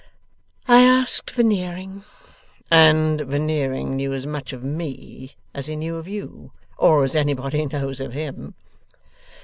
'I asked Veneering.' 'And Veneering knew as much of me as he knew of you, or as anybody knows of him.